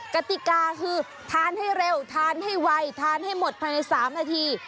กติกาคือทานให้เร็วทานให้ไวทานให้หมดภายใน๓นาที